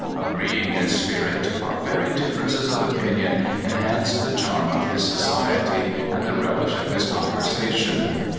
Agreeing in spirit, our very differences of opinion enhanced the charm of his society and the relish of his conversation.